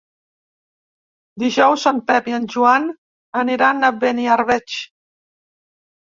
Dijous en Pep i en Joan aniran a Beniarbeig.